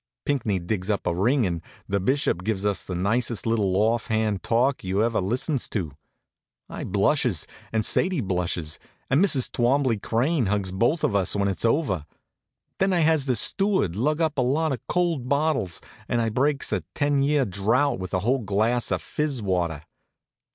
Pinckney digs up a ring, and the bishop gives us the nicest little off hand talk you ever listens to. I blushes, and Sadie blushes, and Mrs. Twombley Crane hugs both of us when it's over. Then I has the steward lug up a lot of cold bottles and I breaks a ten year drouth with a whole glass of fizz water.